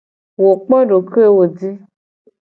Wo kpo dokoewo ji.